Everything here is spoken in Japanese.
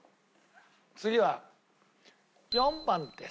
次は４番です。